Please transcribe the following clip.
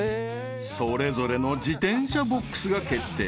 ［それぞれの自転車ボックスが決定］